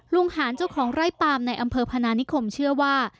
หารเจ้าของไร่ปามในอำเภอพนานิคมเชื่อว่า